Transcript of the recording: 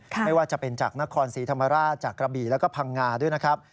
ไม่ว่าจะเป็นจากนครศรีธรรมราชจากกระบี่แล้วก็พังงาด้วยนะครับ